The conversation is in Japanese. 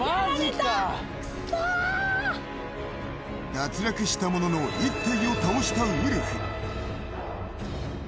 脱落したものの、１体を倒したウルフ。